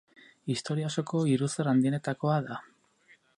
Historia osoko iruzur handienetakoa da.